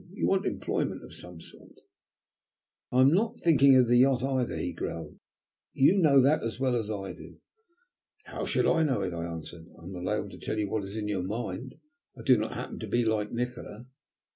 You want employment of some sort." "I am not thinking of the yacht either," he growled. "You know that as well as I do." "How should I know it?" I answered. "I am not able to tell what is in your mind. I do not happen to be like Nikola."